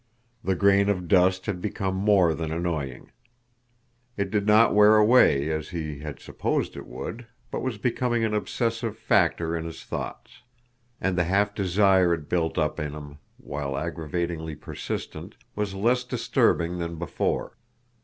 The grain of dust had become more than annoying. It did not wear away, as he had supposed it would, but was becoming an obsessive factor in his thoughts. And the half desire it built up in him, while aggravatingly persistent, was less disturbing than before.